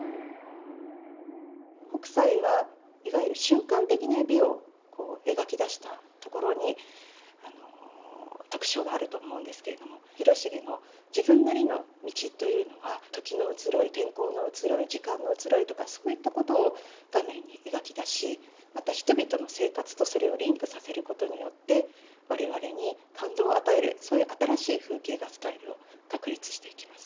北斎はいわゆる瞬間的な美をこう描き出したところに特徴があると思うんですけれども広重の自分なりの道というのは時の移ろい天候の移ろい時間の移ろいとかそういったことを画面に描き出しまた人々の生活とそれをリンクさせることによって我々に感動を与えるそういう新しい風景画スタイルを確立していきます。